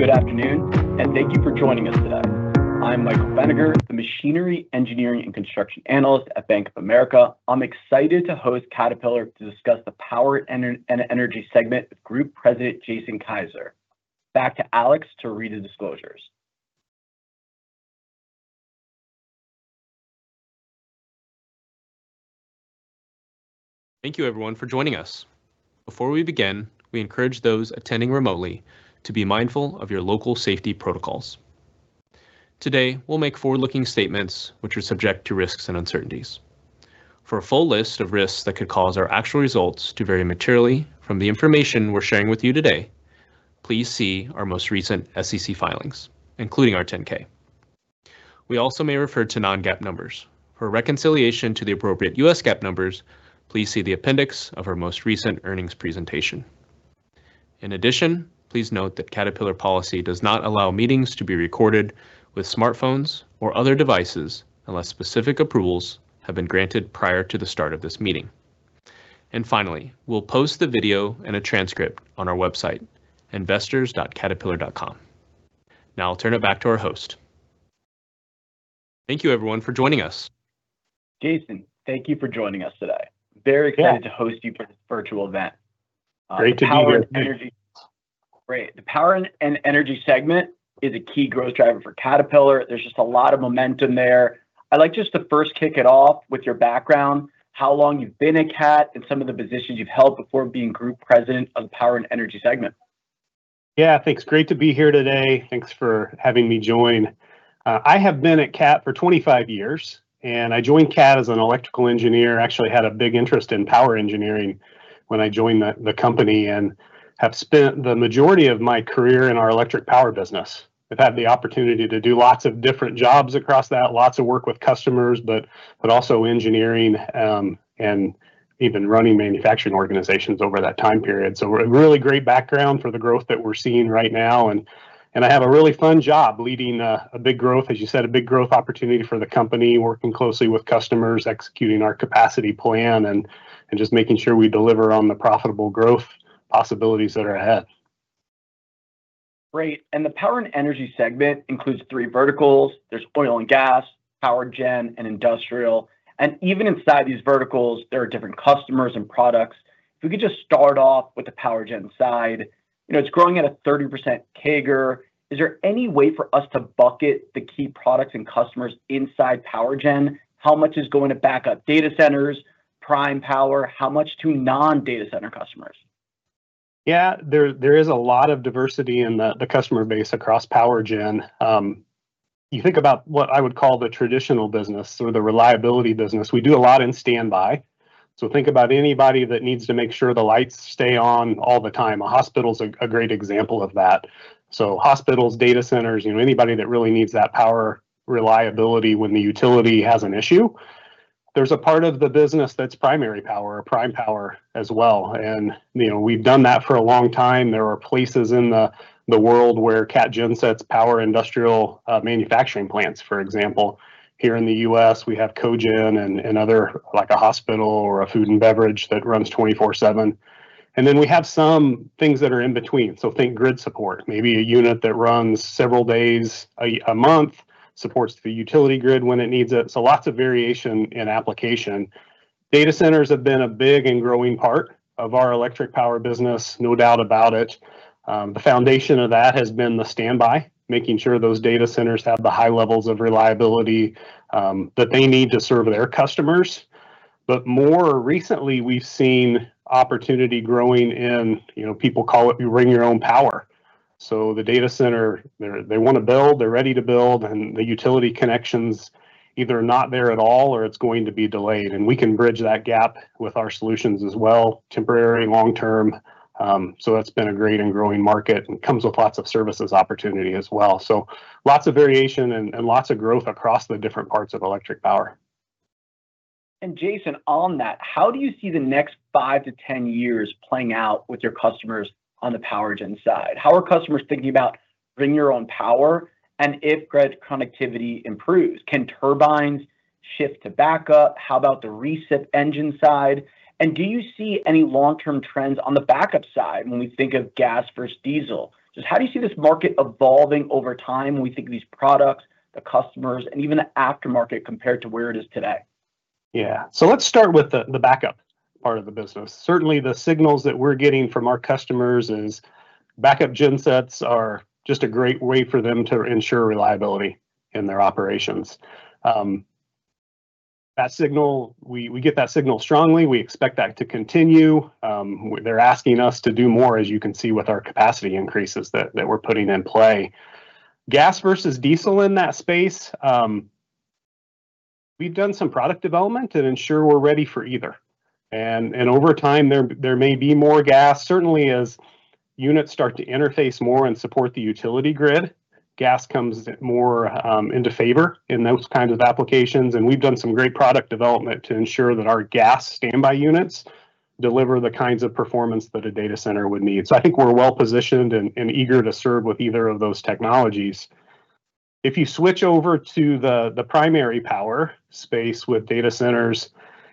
Good afternoon, and thank you for joining us today. I'm Michael Feniger, the Machinery, Engineering, and Construction Analyst at Bank of America. I'm excited to host Caterpillar to discuss the Power & Energy segment with Group President, Jason Kaiser. Back to Alex to read the disclosures. Thank you everyone for joining us. Before we begin, we encourage those attending remotely to be mindful of your local safety protocols. Today, we'll make forward-looking statements which are subject to risks and uncertainties. For a full list of risks that could cause our actual results to vary materially from the information we're sharing with you today, please see our most recent SEC filings, including our 10-K. We also may refer to non-GAAP numbers. For a reconciliation to the appropriate US GAAP numbers, please see the appendix of our most recent earnings presentation. In addition, please note that Caterpillar policy does not allow meetings to be recorded with smartphones or other devices unless specific approvals have been granted prior to the start of this meeting. Finally, we'll post the video and a transcript on our website investors.caterpillar.com. Now I'll turn it back to our host. Thank you everyone for joining us. Jason, thank you for joining us today. Yeah. Very excited to host you for this virtual event. Great to be here. Thanks. Great. The Power & Energy segment is a key growth driver for Caterpillar. There's just a lot of momentum there. I'd like just to first kick it off with your background, how long you've been at Cat, and some of the positions you've held before being Group President of the Power & Energy segment. Yeah. Thanks. Great to be here today. Thanks for having me join. I have been at Cat for 25 years, and I joined Cat as an electrical engineer. Actually had a big interest in power engineering when I joined the company, and have spent the majority of my career in our Electric Power business. I've had the opportunity to do lots of different jobs across that, lots of work with customers, but also engineering, and even running manufacturing organizations over that time period. A really great background for the growth that we're seeing right now, and I have a really fun job leading a big growth, as you said, a big growth opportunity for the company, working closely with customers, executing our capacity plan, and just making sure we deliver on the profitable growth possibilities that are ahead. Great. The Power & Energy segment includes three verticals. There's Oil & Gas, Power Gen, and Industrial. Even inside these verticals, there are different customers and products. If we could just start off with the Power Gen side. You know, it's growing at a 30% CAGR. Is there any way for us to bucket the key products and customers inside Power Gen? How much is going to backup data centers, prime power? How much to non-data center customers? Yeah. There is a lot of diversity in the customer base across Power Gen. You think about what I would call the traditional business or the reliability business. We do a lot in standby. Think about anybody that needs to make sure the lights stay on all the time. A hospital's a great example of that. Hospitals, data centers, you know, anybody that really needs that power reliability when the utility has an issue. There's a part of the business that's primary power or prime power as well. You know, we've done that for a long time. There are places in the world where Cat gensets power industrial manufacturing plants. For example, here in the U.S., we have cogen and other like a hospital or a food and beverage that runs 24/7. We have some things that are in between, so think grid support. Maybe a unit that runs several days a month supports the utility grid when it needs it. Lots of variation in application. Data centers have been a big and growing part of our Electric Power business, no doubt about it. The foundation of that has been the standby, making sure those data centers have the high levels of reliability that they need to serve their customers. More recently, we've seen opportunity growing in, you know, people call it Bring Your Own Power. The data center, they wanna build, they're ready to build, and the utility connection's either not there at all or it's going to be delayed, and we can bridge that gap with our solutions as well, temporary, long-term. That's been a great and growing market, and comes with lots of services opportunity as well. Lots of variation and lots of growth across the different parts of Electric Power. Jason, on that, how do you see the next 5-10 years playing out with your customers on the Power Gen side? How are customers thinking about Bring Your Own Power and if grid connectivity improves? Can turbines shift to backup? How about the recip engine side? Do you see any long-term trends on the backup side when we think of gas versus diesel? Just how do you see this market evolving over time when we think of these products, the customers, and even the aftermarket compared to where it is today? Yeah. Let's start with the backup part of the business. Certainly, the signals that we're getting from our customers is backup gensets are just a great way for them to ensure reliability in their operations. That signal, we get that signal strongly. We expect that to continue. They're asking us to do more, as you can see with our capacity increases that we're putting in play. Gas versus diesel in that space, we've done some product development and ensure we're ready for either, and over time there may be more gas. Certainly as units start to interface more and support the utility grid, gas comes more into favor in those kinds of applications. We've done some great product development to ensure that our gas standby units deliver the kinds of performance that a data center would need. I think we're well positioned and eager to serve with either of those technologies. If you switch over to the primary power space with data centers,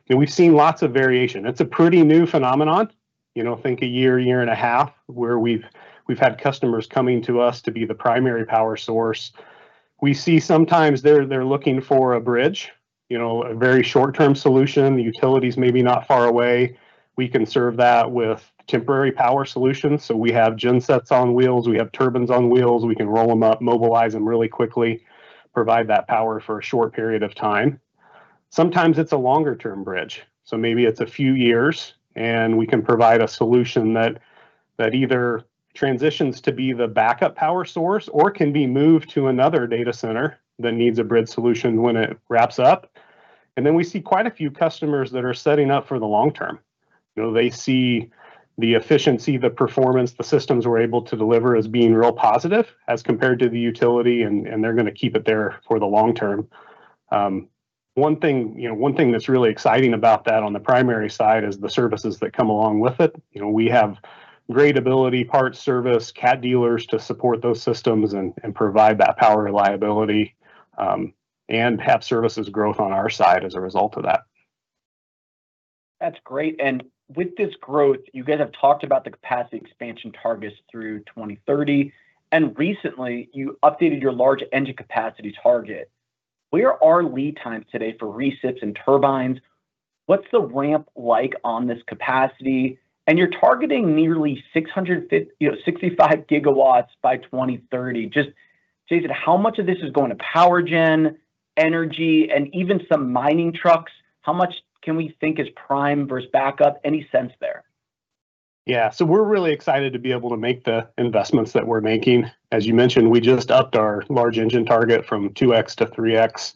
you know, we've seen lots of variation. It's a pretty new phenomenon. You know, think a year, a year and a half where we've had customers coming to us to be the primary power source. We see sometimes they're looking for a bridge. You know, a very short-term solution. The utility's maybe not far away. We can serve that with temporary power solutions, so we have gen sets on wheels, we have turbines on wheels. We can roll them up, mobilize them really quickly, provide that power for a short period of time. Sometimes it's a longer-term bridge, maybe it's a few years, and we can provide a solution that either transitions to be the backup power source or can be moved to another data center that needs a bridge solution when it wraps up. We see quite a few customers that are setting up for the long term. You know, they see the efficiency, the performance the systems were able to deliver as being real positive as compared to the utility, and they're gonna keep it there for the long term. One thing, you know, one thing that's really exciting about that on the primary side is the services that come along with it. You know, we have great ability parts service, Cat dealers to support those systems and provide that power reliability, and have services growth on our side as a result of that. That's great. With this growth, you guys have talked about the capacity expansion targets through 2030, and recently you updated your large engine capacity target. Where are lead times today for recips and turbines? What's the ramp like on this capacity? You're targeting nearly 650, you know, 65 GW by 2030. Just, Jason, how much of this is going to Power Gen, energy, and even some mining trucks? How much can we think is prime versus backup? Any sense there? Yeah. We're really excited to be able to make the investments that we're making. As you mentioned, we just upped our large engine target from 2x to 3x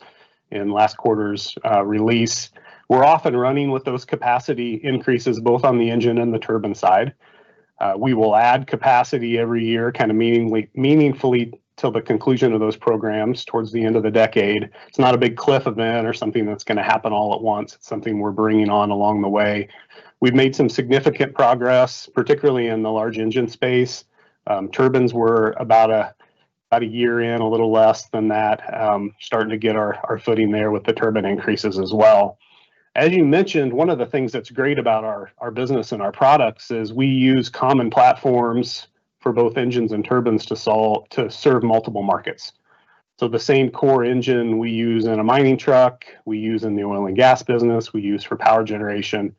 in last quarter's release. We're off and running with those capacity increases both on the engine and the turbine side. We will add capacity every year kind of meaningfully till the conclusion of those programs towards the end of the decade. It's not a big cliff event or something that's gonna happen all at once. It's something we're bringing on along the way. We've made some significant progress, particularly in the large engine space. Turbines we're about a one year in, a little less than that. Starting to get our footing there with the turbine increases as well. As you mentioned, one of the things that's great about our business and our products is we use common platforms for both engines and turbines to serve multiple markets. The same core engine we use in a mining truck, we use in the Oil & Gas business, we use for Power Generation.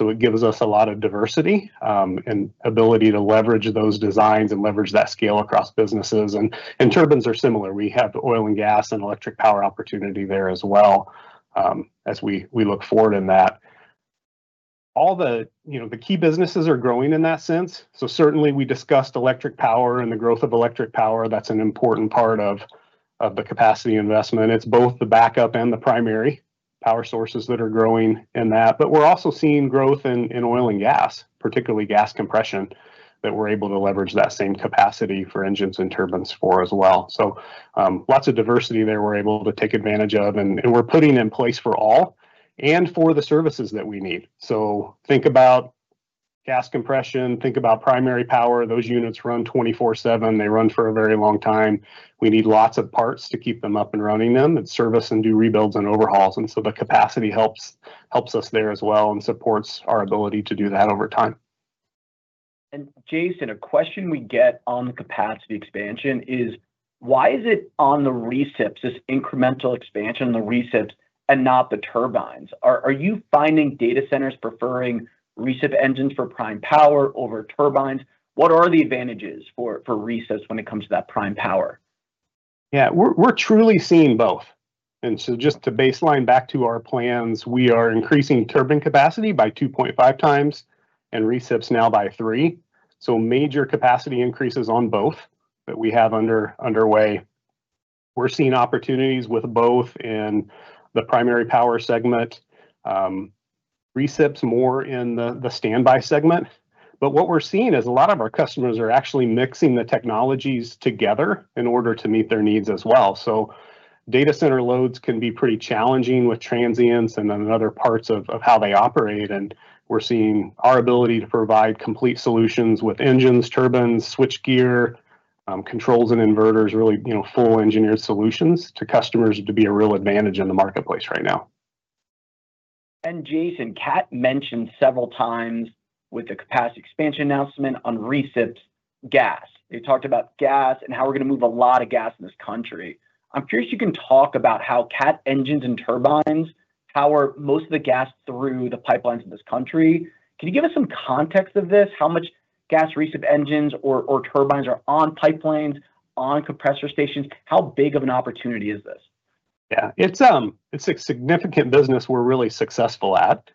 It gives us a lot of diversity and ability to leverage those designs and leverage that scale across businesses. Turbines are similar. We have the Oil & Gas and Electric Power opportunity there as well as we look forward in that. You know, the key businesses are growing in that sense, certainly we discussed Electric Power and the growth of Electric Power. That's an important part of the capacity investment. It's both the backup and the primary power sources that are growing in that. We're also seeing growth in Oil & Gas, particularly gas compression, that we're able to leverage that same capacity for engines and turbines for as well. Lots of diversity there we're able to take advantage of, and we're putting in place for all and for the services that we need. Think about gas compression, think about primary power. Those units run 24/7. They run for a very long time. We need lots of parts to keep them up and running then, and service and do rebuilds and overhauls, the capacity helps us there as well and supports our ability to do that over time. Jason, a question we get on the capacity expansion is why is it on the recips, this incremental expansion on the recips, and not the turbines? Are you finding data centers preferring recip engines for prime power over turbines? What are the advantages for recips when it comes to that prime power? Yeah. We're truly seeing both. Just to baseline back to our plans, we are increasing turbine capacity by 2.5x and recips now by 3x, so major capacity increases on both that we have underway. We're seeing opportunities with both in the primary power segment. Recips more in the standby segment. What we're seeing is a lot of our customers are actually mixing the technologies together in order to meet their needs as well. Data center loads can be pretty challenging with transients and then in other parts of how they operate, and we're seeing our ability to provide complete solutions with engines, turbines, switchgear, controls and inverters, really, you know, full engineered solutions to customers to be a real advantage in the marketplace right now. Jason, Cat mentioned several times with the capacity expansion announcement on recips gas. They talked about gas and how we're gonna move a lot of gas in this country. I'm curious if you can talk about how Cat engines and turbines power most of the gas through the pipelines in this country. Can you give us some context of this? How much gas recips engines or turbines are on pipelines, on compressor stations? How big of an opportunity is this? Yeah. It's a significant business we're really successful at.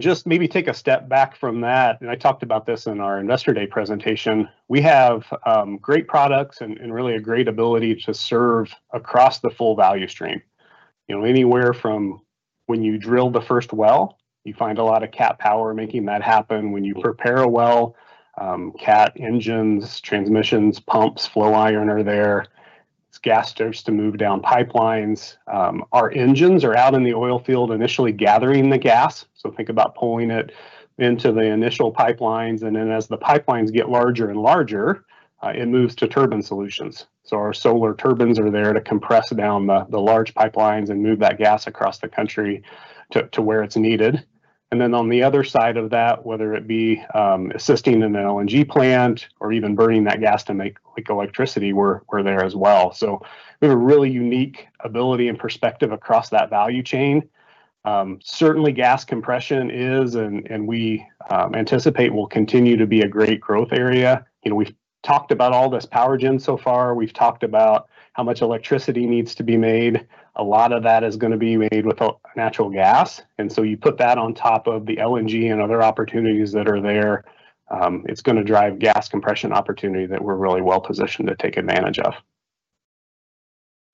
Just maybe take a step back from that, and I talked about this in our Investor Day presentation. We have great products and really a great ability to serve across the full value stream. You know, anywhere from when you drill the first well, you find a lot of Cat power making that happen. When you prepare a well, Cat engines, transmissions, pumps, flow iron are there. It's gas flows to move down pipelines. Our engines are out in the oil field initially gathering the gas, so think about pulling it into the initial pipelines. Then as the pipelines get larger and larger, it moves to turbine solutions. Our Solar Turbines are there to compress down the large pipelines and move that gas across the country to where it's needed. On the other side of that, whether it be assisting in an LNG plant or even burning that gas to make electricity, we're there as well. We have a really unique ability and perspective across that value chain. Certainly gas compression is, and we anticipate will continue to be a great growth area. You know, we've talked about all this Power Gen so far. We've talked about how much electricity needs to be made. A lot of that is gonna be made with natural gas. You put that on top of the LNG and other opportunities that are there, it's gonna drive gas compression opportunity that we're really well positioned to take advantage of.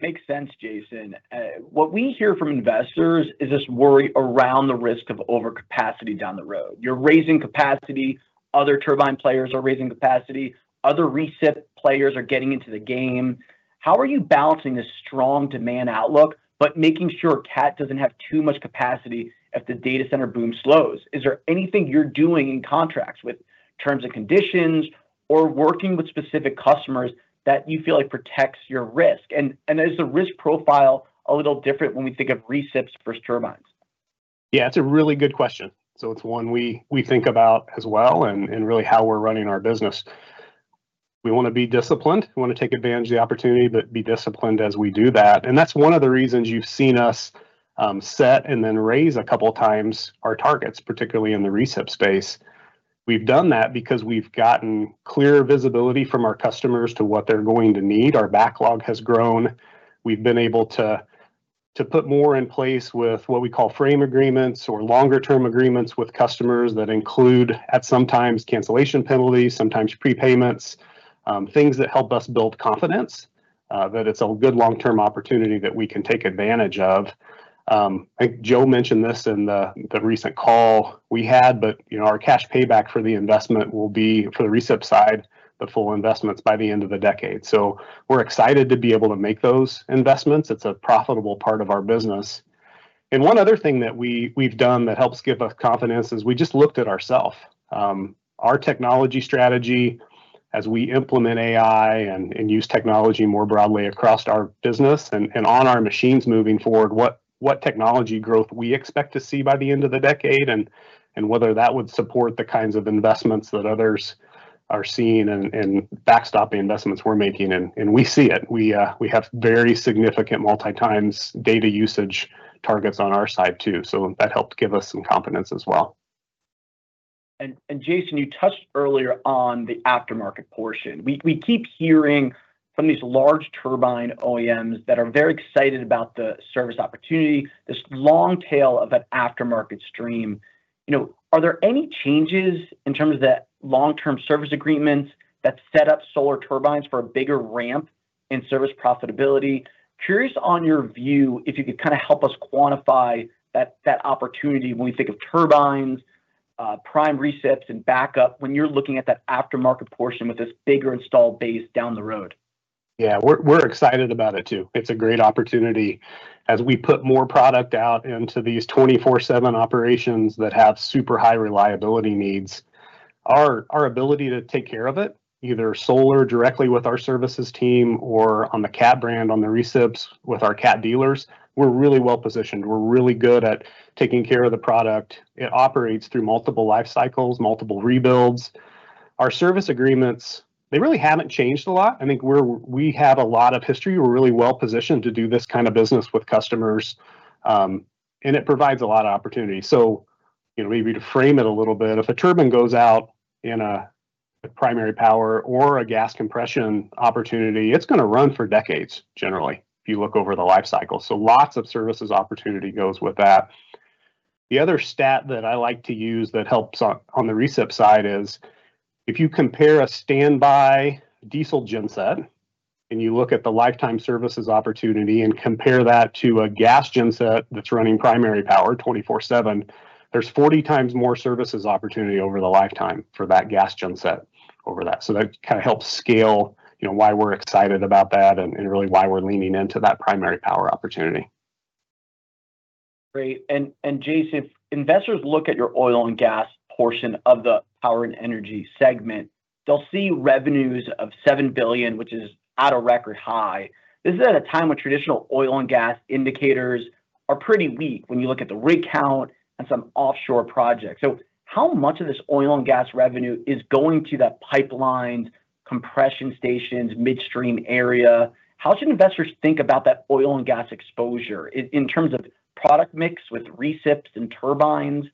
Makes sense, Jason. What we hear from investors is this worry around the risk of overcapacity down the road. You're raising capacity, other turbine players are raising capacity, other recip players are getting into the game. How are you balancing this strong demand outlook, but making sure Cat doesn't have too much capacity if the data center boom slows? Is there anything you're doing in contracts with terms and conditions or working with specific customers that you feel like protects your risk? Is the risk profile a little different when we think of recips versus turbines? Yeah, it's a really good question, it's one we think about as well and really how we're running our business. We wanna be disciplined. We wanna take advantage of the opportunity, be disciplined as we do that. That's one of the reasons you've seen us set and then raise a couple times our targets, particularly in the recip space. We've done that because we've gotten clear visibility from our customers to what they're going to need. Our backlog has grown. We've been able to put more in place with what we call frame agreements or longer-term agreements with customers that include at some times cancellation penalties, sometimes prepayments, things that help us build confidence that it's a good long-term opportunity that we can take advantage of. I think Joe mentioned this in the recent call we had, but, you know, our cash payback for the investment will be for the recip side, but full investments by the end of the decade. We're excited to be able to make those investments. It's a profitable part of our business. One other thing that we've done that helps give us confidence is we just looked at ourself. Our technology strategy as we implement AI and use technology more broadly across our business and on our machines moving forward, what technology growth we expect to see by the end of the decade and whether that would support the kinds of investments that others are seeing and backstop the investments we're making and we see it. We have very significant multi times data usage targets on our side too. That helped give us some confidence as well. Jason, you touched earlier on the aftermarket portion. We keep hearing from these large turbine OEMs that are very excited about the service opportunity, this long tail of an aftermarket stream. You know, are there any changes in terms of the long-term service agreements that set up Solar Turbines for a bigger ramp in service profitability? Curious on your view if you could kind of help us quantify that opportunity when we think of turbines, prime recip and backup, when you're looking at that aftermarket portion with this bigger installed base down the road. Yeah. We're excited about it too. It's a great opportunity as we put more product out into these 24/7 operations that have super high reliability needs. Our ability to take care of it, either Solar directly with our services team or on the Cat brand on the recips with our Cat dealers, we're really well-positioned. We're really good at taking care of the product. It operates through multiple life cycles, multiple rebuilds. Our service agreements, they really haven't changed a lot. I think we have a lot of history. We're really well-positioned to do this kind of business with customers, and it provides a lot of opportunity. You know, maybe to frame it a little bit, if a turbine goes out in a primary power or a gas compression opportunity, it's going to run for decades generally, if you look over the life cycle. Lots of services opportunity goes with that. The other stat that I like to use that helps on the recip side is if you compare a standby diesel gen set and you look at the lifetime services opportunity and compare that to a gas gen set that's running primary power 24/7, there's 40x more services opportunity over the lifetime for that gas gen set over that. That kinda helps scale, you know, why we're excited about that and really why we're leaning into that primary power opportunity. Great. Jason, if investors look at your Oil & Gas portion of the Power & Energy segment, they'll see revenues of $7 billion, which is at a record high. This is at a time when traditional Oil & Gas indicators are pretty weak when you look at the rig count and some offshore projects. How much of this Oil & Gas revenue is going to that pipeline compression stations midstream area? How should investors think about that Oil & Gas exposure in terms of product mix with recips and turbines,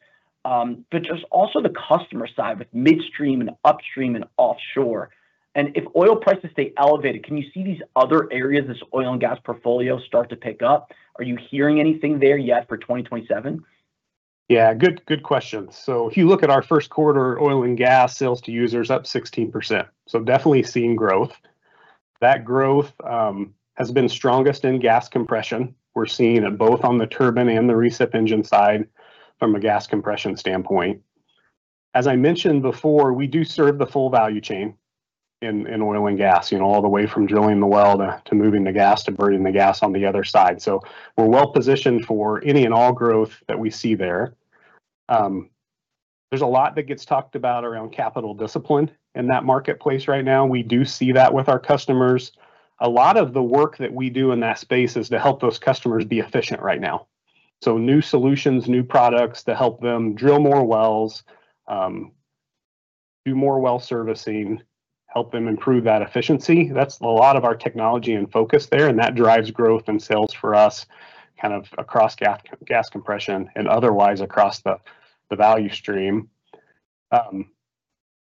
but just also the customer side with midstream and upstream and offshore? If oil prices stay elevated, can you see these other areas, this Oil & Gas portfolio start to pick up? Are you hearing anything there yet for 2027? Yeah. Good, good question. If you look at our first quarter Oil & Gas sales to users up 16%, definitely seeing growth. That growth has been strongest in gas compression. We're seeing it both on the turbine and the recip engine side from a gas compression standpoint. As I mentioned before, we do serve the full value chain in Oil & Gas. You know, all the way from drilling the well to moving the gas, to burning the gas on the other side. We're well-positioned for any and all growth that we see there. There's a lot that gets talked about around capital discipline in that marketplace right now, and we do see that with our customers. A lot of the work that we do in that space is to help those customers be efficient right now. New solutions, new products to help them drill more wells, do more well servicing, help them improve that efficiency. That's a lot of our technology and focus there, and that drives growth and sales for us kind of across gas compression and otherwise across the value stream.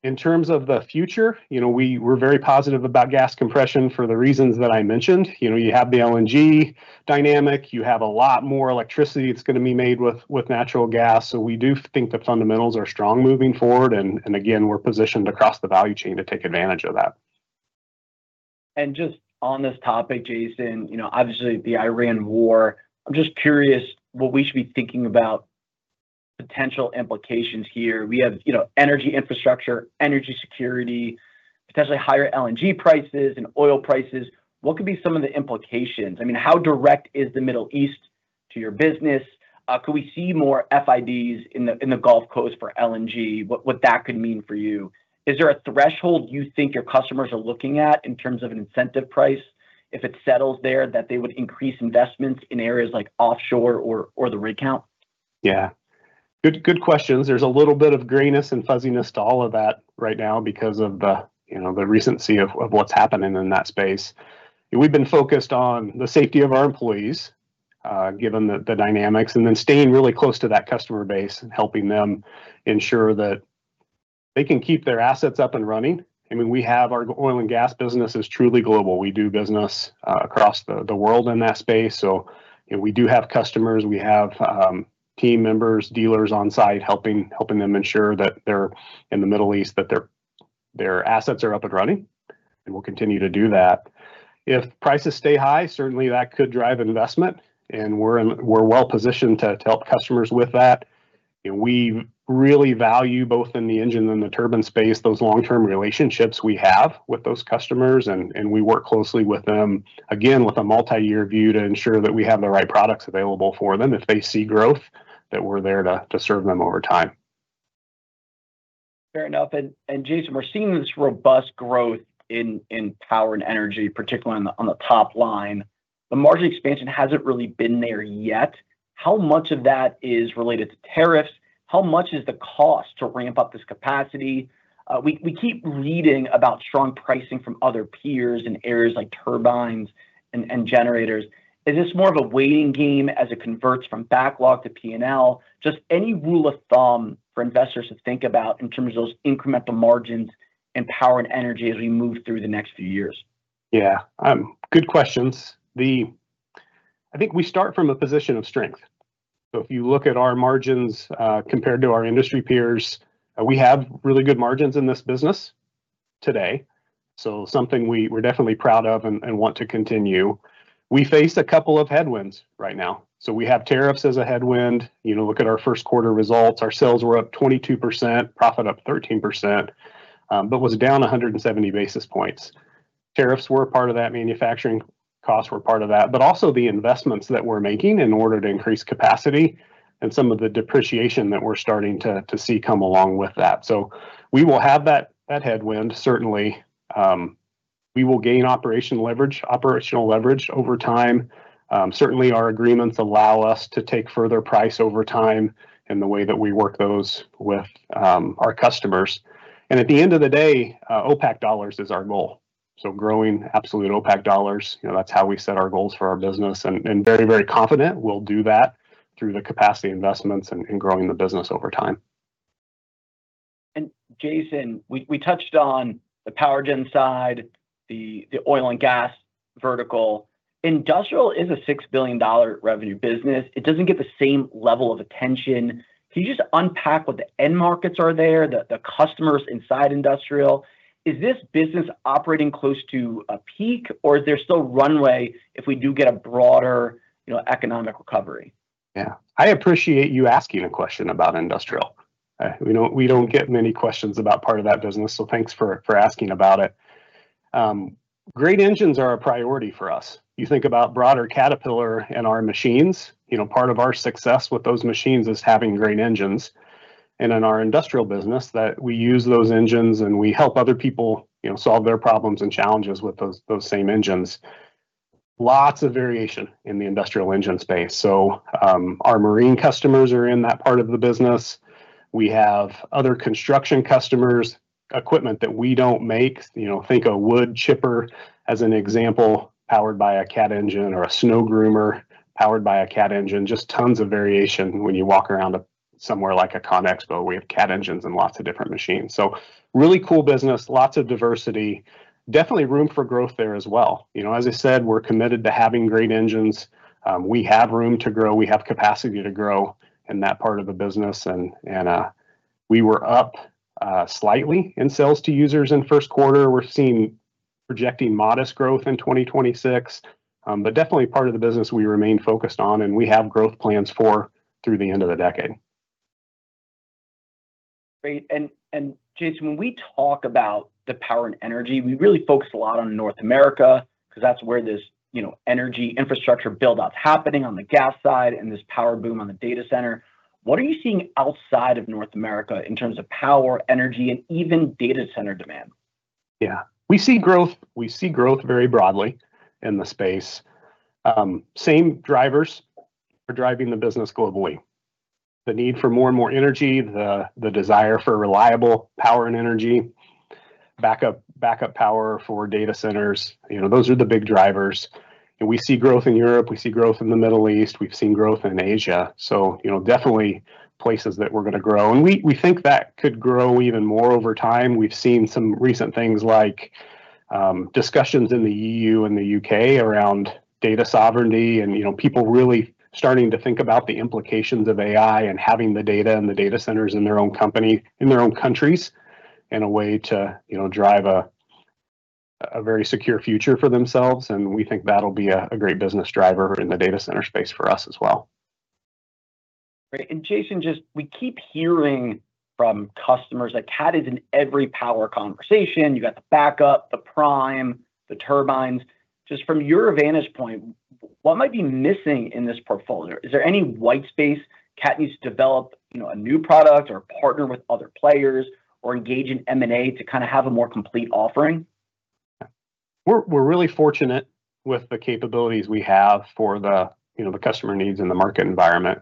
In terms of the future, you know, we're very positive about gas compression for the reasons that I mentioned. You know, you have the LNG dynamic. You have a lot more electricity that's gonna be made with natural gas, we do think the fundamentals are strong moving forward. Again, we're positioned across the value chain to take advantage of that. Just on this topic, Jason, you know, obviously, the Iran war, I'm just curious what we should be thinking about potential implications here. We have, you know, energy infrastructure, energy security, potentially higher LNG prices and oil prices. What could be some of the implications? I mean, how direct is the Middle East to your business? Could we see more FIDs in the Gulf Coast for LNG? What that could mean for you? Is there a threshold you think your customers are looking at in terms of an incentive price? If it settles there, that they would increase investments in areas like offshore or the rig count? Yeah. Good, good questions. There's a little bit of grayness and fuzziness to all of that right now because of the, you know, the recency of what's happening in that space. We've been focused on the safety of our employees, given the dynamics, and then staying really close to that customer base and helping them ensure that they can keep their assets up and running. I mean, Our Oil & Gas business is truly global. We do business across the world in that space, so we do have customers, we have team members, dealers on site helping them ensure that they're, in the Middle East, that their assets are up and running, and we'll continue to do that. If prices stay high, certainly, that could drive investment and we're well-positioned to help customers with that. We really value, both in the engine and the turbine space, those long-term relationships we have with those customers, and we work closely with them, again, with a multiyear view to ensure that we have the right products available for them if they see growth, that we're there to serve them over time. Fair enough. Jason, we're seeing this robust growth in Power & Energy, particularly on the top line. The margin expansion hasn't really been there yet. How much of that is related to tariffs? How much is the cost to ramp up this capacity? We keep reading about strong pricing from other peers in areas like turbines and generators. Is this more of a waiting game as it converts from backlog to P&L? Just any rule of thumb for investors to think about in terms of those incremental margins and Power & Energy as we move through the next few years. Yeah. Good questions. I think we start from a position of strength. If you look at our margins, compared to our industry peers, we have really good margins in this business today. Something we're definitely proud of and want to continue. We face a couple of headwinds right now. We have tariffs as a headwind. You know, look at our first quarter results. Our sales were up 22%, profit up 13%, was down 170 basis points. Tariffs were a part of that. Manufacturing costs were part of that. Also the investments that we're making in order to increase capacity and some of the depreciation that we're starting to see come along with that. We will have that headwind, certainly. We will gain operational leverage over time. Certainly, our agreements allow us to take further price over time in the way that we work those with our customers. At the end of the day, OPACC dollars is our goal. Growing absolute OPACC dollars, you know, that's how we set our goals for our business and very, very confident we'll do that through the capacity investments and growing the business over time. Jason, we touched on the Power Gen side, the Oil & Gas vertical. Industrial is a $6 billion revenue business. It doesn't get the same level of attention. Can you just unpack what the end markets are there, the customers inside Industrial? Is this business operating close to a peak, or is there still runway if we do get a broader, you know, economic recovery? Yeah. I appreciate you asking a question about Industrial. We don't get many questions about part of that business, so thanks for asking about it. Great engines are a priority for us. You think about broader Caterpillar and our machines, you know, part of our success with those machines is having great engines. In our Industrial business that we use those engines and we help other people, you know, solve their problems and challenges with those same engines. Lots of variation in the Industrial engine space. Our marine customers are in that part of the business. We have other construction customers. Equipment that we don't make, you know, think a wood chipper as an example, powered by a Cat engine or a snow groomer powered by a Cat engine. Just tons of variation when you walk around somewhere like a CONEXPO, we have Cat engines in lots of different machines. Really cool business. Lots of diversity. Definitely room for growth there as well. You know, as I said, we're committed to having great engines. We have room to grow. We have capacity to grow in that part of the business and, we were up slightly in sales to users in first quarter. Projecting modest growth in 2026. Definitely part of the business we remain focused on, and we have growth plans for through the end of the decade. Great. Jason, when we talk about the power and energy, we really focus a lot on North America, because that's where this, you know, energy infrastructure build-out's happening on the gas side and this power boom on the data center. What are you seeing outside of North America in terms of power, energy and even data center demand? We see growth very broadly in the space. Same drivers are driving the business globally. The need for more and more energy, the desire for reliable power and energy, backup power for data centers. You know, those are the big drivers. We see growth in Europe, we see growth in the Middle East, we've seen growth in Asia, you know, definitely places that we're gonna grow. We think that could grow even more over time. We've seen some recent things like discussions in the EU and the U.K. around data sovereignty and, you know, people really starting to think about the implications of AI and having the data and the data centers in their own company, in their own countries, in a way to, you know, drive a very secure future for themselves. We think that'll be a great business driver in the data center space for us as well. Great. Jason, just we keep hearing from customers that Cat is in every power conversation. You got the backup, the prime, the turbines. Just from your vantage point, what might be missing in this portfolio? Is there any white space Cat needs to develop, you know, a new product or partner with other players, or engage in M&A to kind of have a more complete offering? We're really fortunate with the capabilities we have for the, you know, the customer needs and the market environment.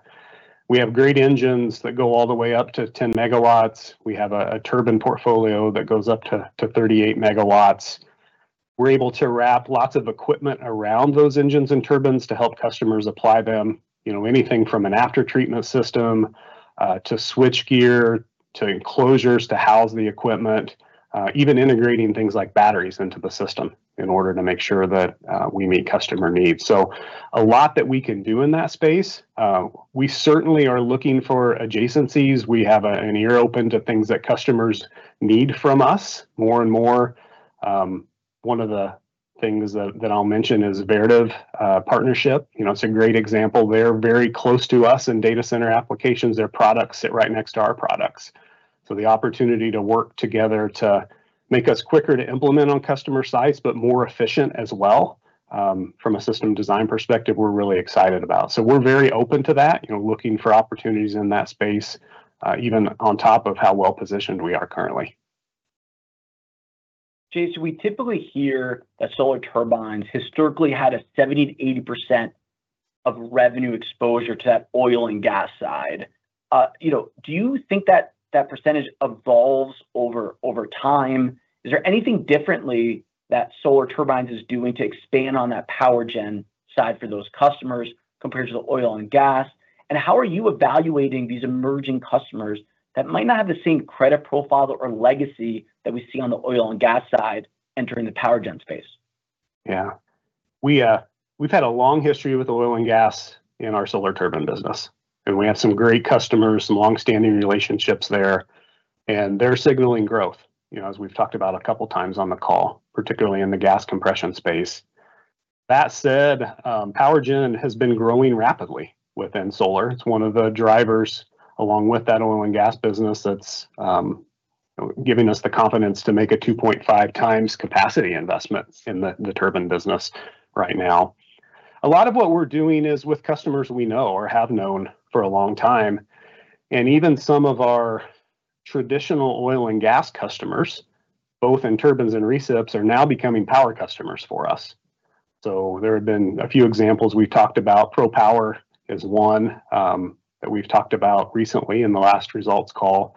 We have great engines that go all the way up to 10 MW. We have a turbine portfolio that goes up to 38 MW. We're able to wrap lots of equipment around those engines and turbines to help customers apply them. You know, anything from an aftertreatment system, to switchgear, to enclosures to house the equipment. Even integrating things like batteries into the system in order to make sure that we meet customer needs. A lot that we can do in that space. We certainly are looking for adjacencies. We have an ear open to things that customers need from us more and more. One of the things that I'll mention is Vertiv partnership. You know, it's a great example. They're very close to us in data center applications. Their products sit right next to our products, so the opportunity to work together to make us quicker to implement on customer sites but more efficient as well, from a system design perspective, we're really excited about. We're very open to that, you know, looking for opportunities in that space, even on top of how well-positioned we are currently. Jason, we typically hear that Solar Turbines historically had a 70%-80% of revenue exposure to that Oil & Gas side. You know, do you think that that percentage evolves over time? Is there anything differently that Solar Turbines is doing to expand on that Power Gen side for those customers compared to the Oil & Gas? How are you evaluating these emerging customers that might not have the same credit profile or legacy that we see on the Oil & Gas side entering the Power Gen space? Yeah. We've had a long history with Oil & Gas in our Solar Turbines business. We have some great customers, some long-standing relationships there. They're signaling growth, you know, as we've talked about a couple times on the call, particularly in the gas compression space. That said, Power Gen has been growing rapidly within Solar. It's one of the drivers, along with that Oil & Gas business, that's giving us the confidence to make a 2.5x capacity investment in the turbine business right now. A lot of what we're doing is with customers we know or have known for a long time. Even some of our traditional Oil & Gas customers, both in turbines and recips, are now becoming power customers for us. There have been a few examples we've talked about. PROPWR is one that we've talked about recently in the last results call.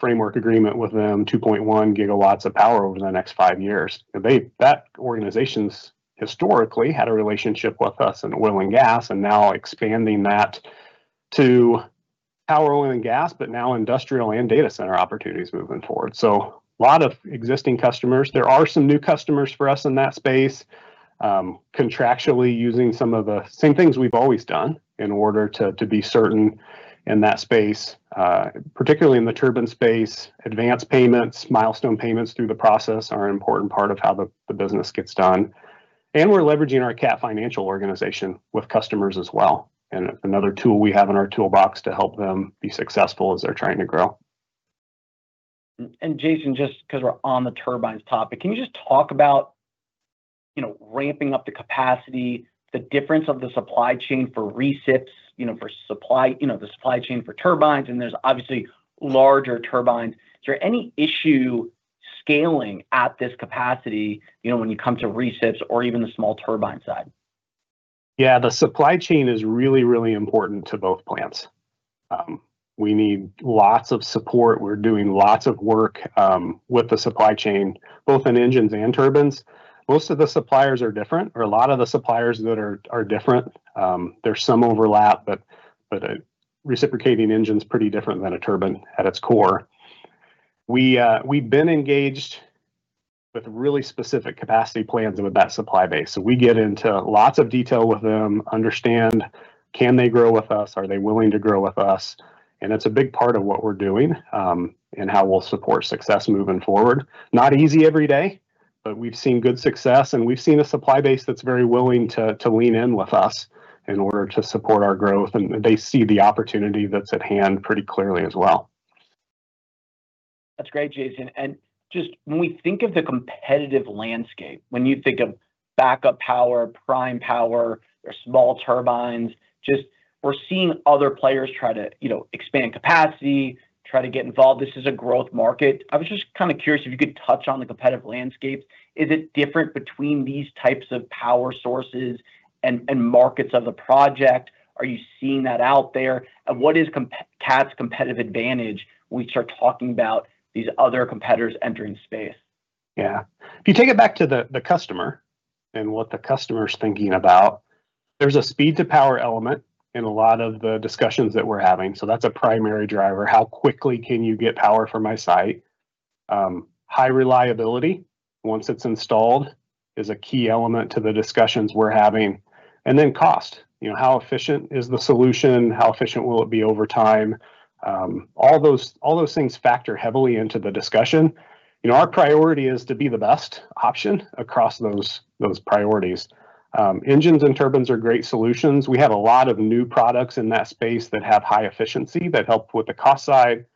Framework agreement with them, 2.1 GW of power over the next five years. That organization's historically had a relationship with us in Oil & Gas and now expanding that to power, Oil & Gas, but now Industrial and data center opportunities moving forward. A lot of existing customers. There are some new customers for us in that space, contractually using some of the same things we've always done in order to be certain in that space, particularly in the turbine space. Advanced payments, milestone payments through the process are an important part of how the business gets done. We're leveraging our Cat Financial organization with customers as well, and another tool we have in our toolbox to help them be successful as they're trying to grow. Jason, just 'cause we're on the turbines topic, can you just talk about, you know, ramping up the capacity, the difference of the supply chain for recips, you know, for supply, you know, the supply chain for turbines, and there's obviously larger turbines. Is there any issue scaling at this capacity, you know, when you come to recips or even the small turbine side? Yeah. The supply chain is really, really important to both plants. We need lots of support. We're doing lots of work with the supply chain, both in engines and turbines. Most of the suppliers are different or a lot of the suppliers that are different. There's some overlap, but a reciprocating engine's pretty different than a turbine at its core. We've been engaged with really specific capacity plans with that supply base. We get into lots of detail with them, understand can they grow with us, are they willing to grow with us? It's a big part of what we're doing and how we'll support success moving forward. Not easy every day, but we've seen good success, and we've seen a supply base that's very willing to lean in with us in order to support our growth, and they see the opportunity that's at hand pretty clearly as well. That's great, Jason. Just when we think of the competitive landscape, when you think of backup power, prime power or small turbines, just we're seeing other players try to, you know, expand capacity, try to get involved. This is a growth market. I was just kind of curious if you could touch on the competitive landscape. Is it different between these types of power sources and markets of the project? Are you seeing that out there? What is Cat's competitive advantage when we start talking about these other competitors entering space? If you take it back to the customer and what the customer's thinking about, there's a speed to power element in a lot of the discussions that we're having. That's a primary driver. High reliability, once it's installed, is a key element to the discussions we're having. Cost. You know, how efficient is the solution? How efficient will it be over time? All those things factor heavily into the discussion. You know, our priority is to be the best option across those priorities. Engines and turbines are great solutions. We have a lot of new products in that space that have high efficiency that help with the cost side.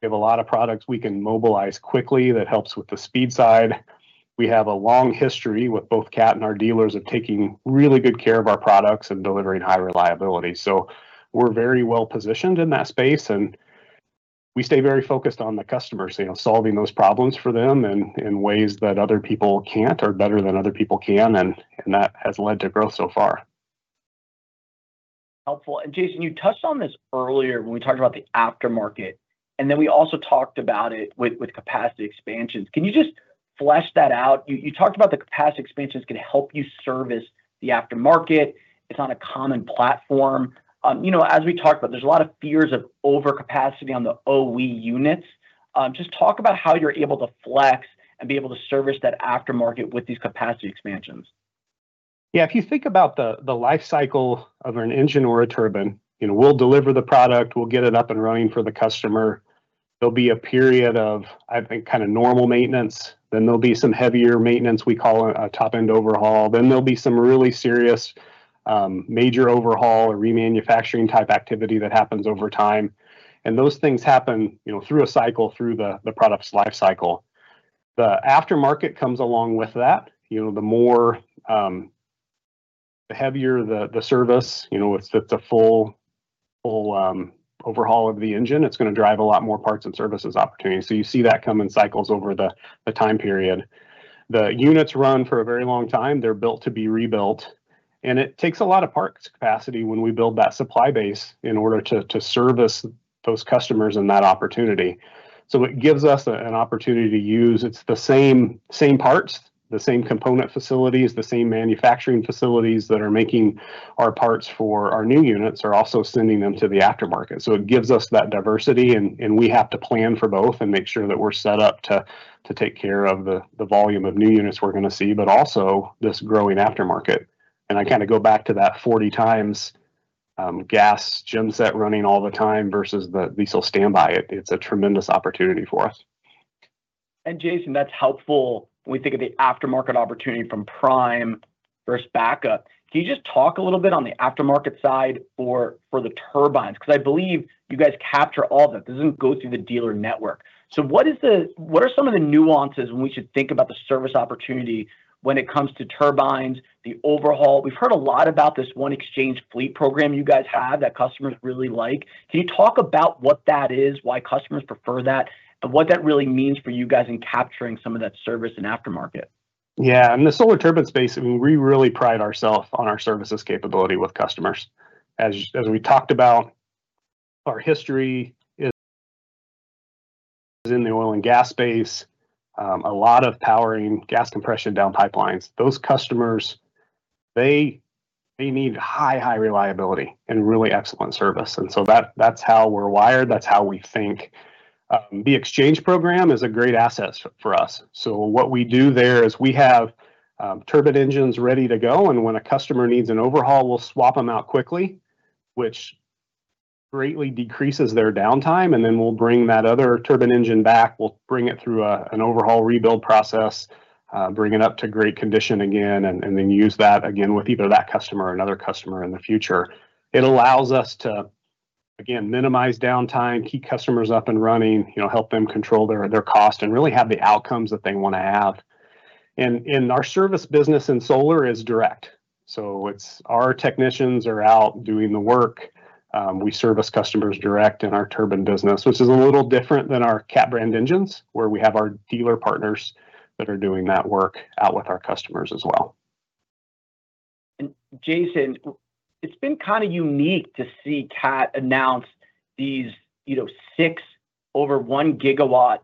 We have a lot of products we can mobilize quickly that helps with the speed side. We have a long history with both Cat and our dealers of taking really good care of our products and delivering high reliability. We're very well positioned in that space, and we stay very focused on the customer, so you know, solving those problems for them in ways that other people can't or better than other people can. That has led to growth so far. Helpful. Jason, you touched on this earlier when we talked about the aftermarket, and then we also talked about it with capacity expansions. Can you just flesh that out? You talked about the capacity expansions can help you service the aftermarket. It's on a common platform. You know, as we talked about, there's a lot of fears of overcapacity on the OE units. Just talk about how you're able to flex and be able to service that aftermarket with these capacity expansions. If you think about the life cycle of an engine or a turbine, you know, we'll deliver the product, we'll get it up and running for the customer. There'll be a period of, I think, kind of normal maintenance, then there'll be some heavier maintenance, we call a top-end overhaul, then there'll be some really serious, major overhaul or remanufacturing type activity that happens over time. Those things happen, you know, through a cycle, through the product's life cycle. The aftermarket comes along with that. You know, the more, the heavier the service, you know, if it's a full overhaul of the engine, it's gonna drive a lot more parts and services opportunities. You see that come in cycles over the time period. The units run for a very long time. They're built to be rebuilt. It takes a lot of parts capacity when we build that supply base in order to service those customers and that opportunity. It gives us a, an opportunity to use it's the same parts, the same component facilities, the same manufacturing facilities that are making our parts for our new units are also sending them to the aftermarket. It gives us that diversity, and we have to plan for both and make sure that we're set up to take care of the volume of new units we're gonna see, but also this growing aftermarket. I kind of go back to that 40x, gas gen set running all the time versus the diesel standby. It's a tremendous opportunity for us. Jason, that's helpful when we think of the aftermarket opportunity from prime versus backup. Can you just talk a little bit on the aftermarket side for the turbines? Because I believe you guys capture all of it. This doesn't go through the dealer network. What are some of the nuances when we should think about the service opportunity when it comes to turbines, the overhaul? We've heard a lot about this one exchange fleet program you guys have that customers really like. Can you talk about what that is, why customers prefer that, and what that really means for you guys in capturing some of that service and aftermarket? In the Solar Turbines space, we really pride ourself on our services capability with customers. As we talked about, our history is in the Oil & Gas space. A lot of powering gas compression down pipelines. Those customers, they need high reliability and really excellent service, and so that's how we're wired. That's how we think. The exchange program is a great asset for us. What we do there is we have turbine engines ready to go, and when a customer needs an overhaul, we'll swap 'em out quickly, which greatly decreases their downtime, and then we'll bring that other turbine engine back. We'll bring it through an overhaul rebuild process, bring it up to great condition again, and then use that again with either that customer or another customer in the future. It allows us to, again, minimize downtime, keep customers up and running, you know, help them control their cost, and really have the outcomes that they wanna have. Our service business in Solar Turbines is direct. It's our technicians are out doing the work. We service customers direct in our turbine business, which is a little different than our Cat brand engines, where we have our dealer partners that are doing that work out with our customers as well. Jason, it's been kind of unique to see Cat announce these, you know, six over 1 GW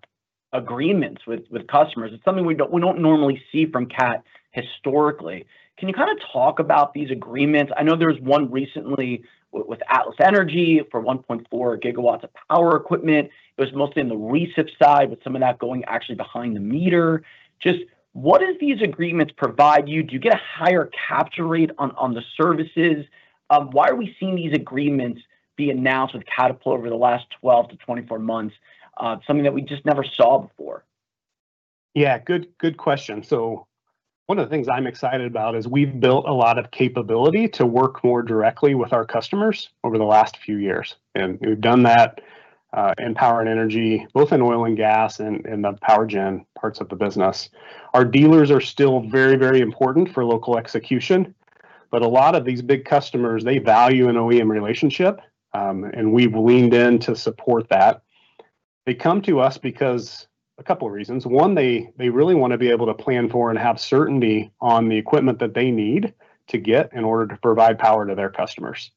agreements with customers. It's something we don't normally see from Cat historically. Can you kind of talk about these agreements? I know there was one recently with Atlas Energy for 1.4 GW of power equipment. It was mostly in the recip side, with some of that going actually behind the meter. Just what do these agreements provide you? Do you get a higher capture rate on the services? Why are we seeing these agreements being announced with Caterpillar over the last 12-24 months, something that we just never saw before? Yeah. Good, good question. One of the things I'm excited about is we've built a lot of capability to work more directly with our customers over the last few years, and we've done that in power and energy, both in Oil & Gas and the Power Gen parts of the business. Our dealers are still very important for local execution, but a lot of these big customers, they value an OEM relationship, and we've leaned in to support that. They come to us because a couple reasons. One, they really wanna be able to plan for and have certainty on the equipment that they need to get in order to provide power to their customers.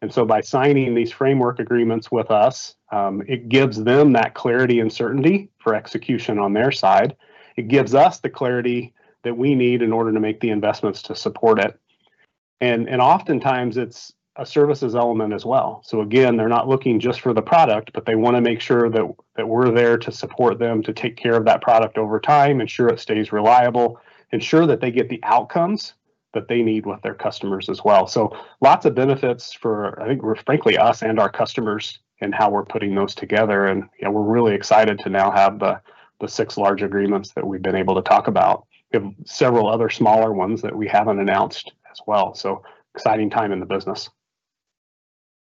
By signing these framework agreements with us, it gives them that clarity and certainty for execution on their side. It gives us the clarity that we need in order to make the investments to support it. Oftentimes it's a services element as well. Again, they're not looking just for the product, but they wanna make sure that we're there to support them, to take care of that product over time, ensure it stays reliable, ensure that they get the outcomes that they need with their customers as well. Lots of benefits for, I think, frankly us and our customers and how we're putting those together and, you know, we're really excited to now have the 6 large agreements that we've been able to talk about.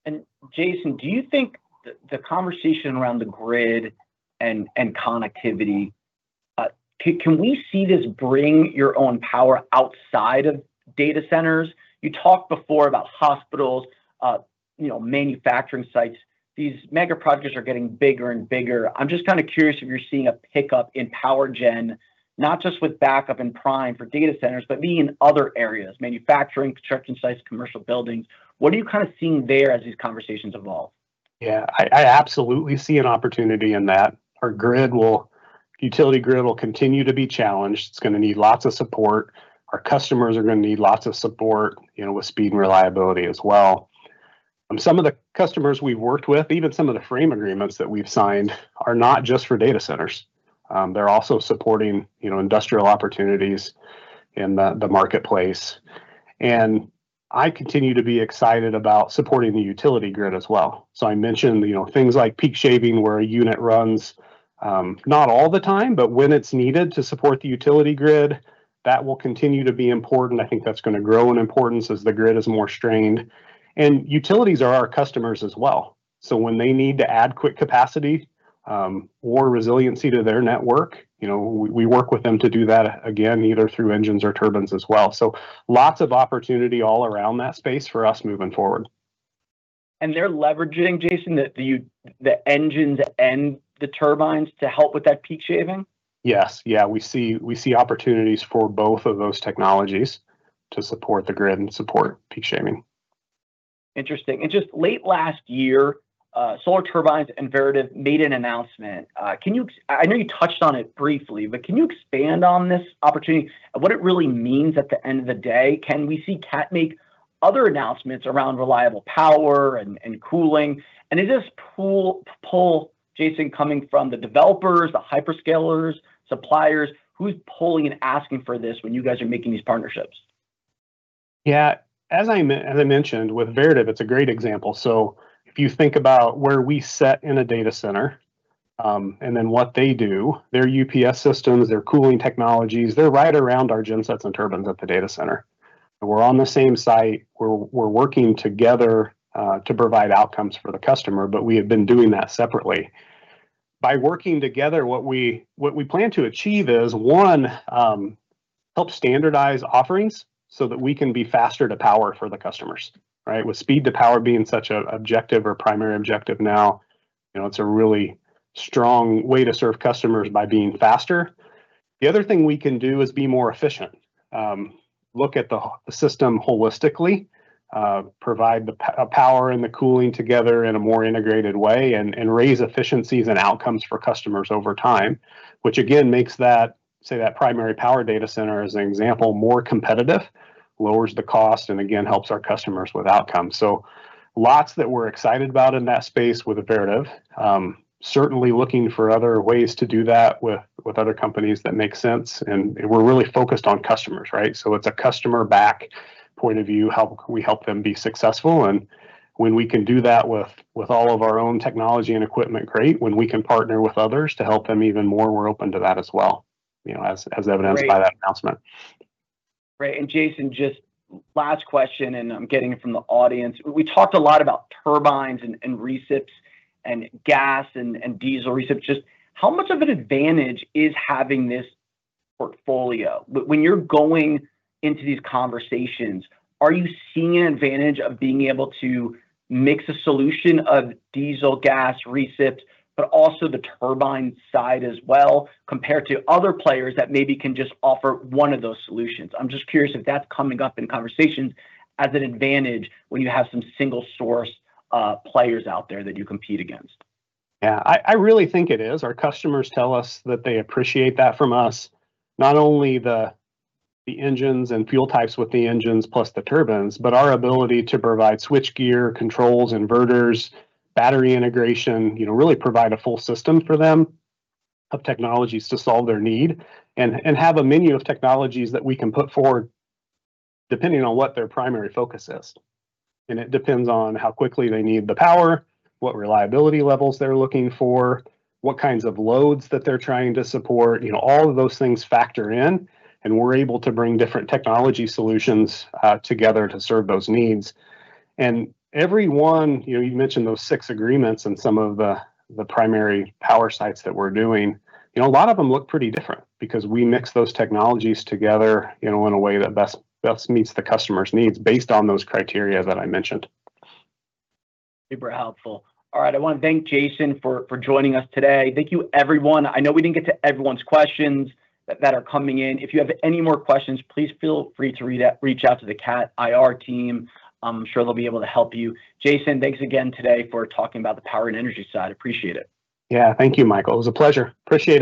We have several other smaller ones that we haven't announced as well, so exciting time in the business. Jason, do you think the conversation around the grid and connectivity, can we see this Bring Your Own Power outside of data centers? You talked before about hospitals, you know, manufacturing sites. These mega projects are getting bigger and bigger. I'm just kind of curious if you're seeing a pickup in Power Gen, not just with backup and prime for data centers, but maybe in other areas, manufacturing, construction sites, commercial buildings. What are you kind of seeing there as these conversations evolve? I absolutely see an opportunity in that. Our utility grid will continue to be challenged. It's gonna need lots of support. Our customers are gonna need lots of support, you know, with speed and reliability as well. Some of the customers we've worked with, even some of the frame agreements that we've signed are not just for data centers. They're also supporting, you know, Industrial opportunities in the marketplace. I continue to be excited about supporting the utility grid as well. I mentioned, you know, things like peak shaving where a unit runs, not all the time, but when it's needed to support the utility grid. That will continue to be important. I think that's gonna grow in importance as the grid is more strained. Utilities are our customers as well, so when they need to add quick capacity, or resiliency to their network, you know, we work with them to do that again, either through engines or turbines as well. Lots of opportunity all around that space for us moving forward. They're leveraging, Jason, the engines and the turbines to help with that peak shaving? Yes. Yeah, we see opportunities for both of those technologies to support the grid and support peak shaving. Interesting. Just late last year, Solar Turbines and Vertiv made an announcement. I know you touched on it briefly, but can you expand on this opportunity and what it really means at the end of the day? Can we see Cat make other announcements around reliable power and cooling? Is this pull, Jason, coming from the developers, the hyperscalers, suppliers? Who's pulling and asking for this when you guys are making these partnerships? As I mentioned, with Vertiv, it's a great example. If you think about where we set in a data center, and what they do, their UPS systems, their cooling technologies, they're right around our gensets and turbines at the data center. We're on the same site. We're working together to provide outcomes for the customer. We have been doing that separately. By working together, what we plan to achieve is, one, help standardize offerings so that we can be faster to power for the customers, right? With speed to power being such a objective or primary objective now, you know, it's a really strong way to serve customers by being faster. The other thing we can do is be more efficient. Look at the system holistically. Provide the power and the cooling together in a more integrated way and raise efficiencies and outcomes for customers over time, which again makes that, say, that primary power data center as an example, more competitive, lowers the cost, and again helps our customers with outcomes. Lots that we're excited about in that space with Vertiv. Certainly looking for other ways to do that with other companies that make sense, and we're really focused on customers, right? It's a customer-back point of view, how can we help them be successful? When we can do that with all of our own technology and equipment, great. When we can partner with others to help them even more, we're open to that as well, you know, as evidenced- Great by that announcement. Great. Jason, just last question, and I'm getting it from the audience. We talked a lot about turbines and recips, and gas, and diesel recips. Just how much of an advantage is having this portfolio? When you're going into these conversations, are you seeing an advantage of being able to mix a solution of diesel, gas, recips, but also the turbine side as well compared to other players that maybe can just offer one of those solutions? I'm just curious if that's coming up in conversations as an advantage when you have some single source players out there that you compete against. Yeah. I really think it is. Our customers tell us that they appreciate that from us. Not only the engines and fuel types with the engines plus the turbines, but our ability to provide switchgear, controls, inverters, battery integration, you know, really provide a full system for them of technologies to solve their need and have a menu of technologies that we can put forward depending on what their primary focus is. It depends on how quickly they need the power, what reliability levels they're looking for, what kinds of loads that they're trying to support. You know, all of those things factor in, and we're able to bring different technology solutions together to serve those needs. Every one, you know, you mentioned those six agreements and some of the primary power sites that we're doing. You know, a lot of them look pretty different because we mix those technologies together, you know, in a way that best meets the customer's needs based on those criteria that I mentioned. Super helpful. All right. I wanna thank Jason for joining us today. Thank you, everyone. I know we didn't get to everyone's questions that are coming in. If you have any more questions, please feel free to reach out to the Cat IR team. I'm sure they'll be able to help you. Jason, thanks again today for talking about the Power & Energy side. Appreciate it. Yeah. Thank you, Michael. It was a pleasure. Appreciate it.